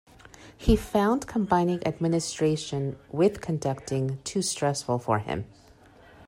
He found combining administration with conducting too stressful for him.